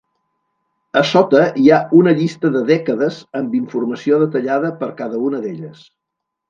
A sota hi ha una llista de dècades amb informació detallada per cada una d'elles.